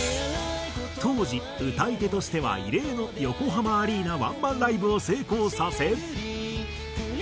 当時歌い手としては異例の横浜アリーナワンマンライブを成功させ。